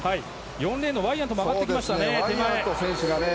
４レーンのワイヤントが上がってきましたね。